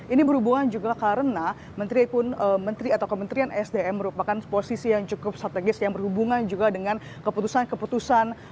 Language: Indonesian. ini berhubungan juga karena menteri pun menteri atau kementerian sdm merupakan posisi yang cukup strategis yang berhubungan juga dengan keputusan keputusan